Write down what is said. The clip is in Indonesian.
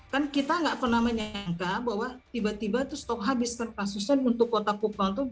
kan kita nggak pernah menyangka bahwa tiba tiba tuh stok habis kan kasusnya untuk kota kupang itu